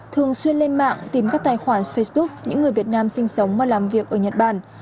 thường xuyên lên mạng tìm các tài khoản facebook những người việt nam sinh sống và làm việc ở nhật bản